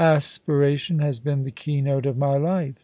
* Aspiration has been the keynote of my life.